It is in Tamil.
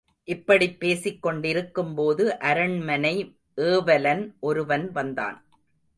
இப்படிப் பேசிக் கொண்டிருக்கும்போது அரண்மனை ஏவலன் ஒருவன் வந்தான்.